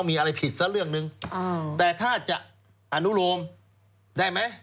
มีอะไรผิดสักเรื่องนึงแต่ถ้าอาจจะอนุโรมได้ไหม